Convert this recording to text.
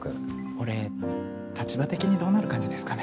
俺立場的にどうなる感じですかね？